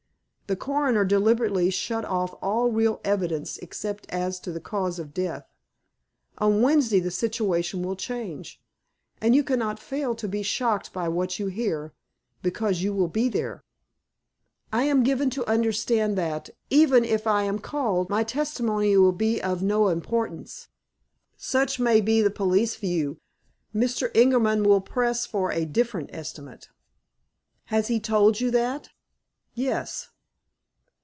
The coroner deliberately shut off all real evidence except as to the cause of death. On Wednesday the situation will change, and you cannot fail to be shocked by what you hear, because you will be there." "I am given to understand that, even if I am called, my testimony will be of no importance." "Such may be the police view. Mr. Ingerman will press for a very different estimate." "Has he told you that?" "Yes."